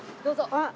あっ！